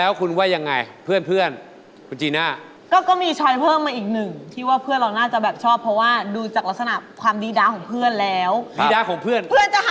ว่าน่าจะตรงกับอนาคตเพื่อน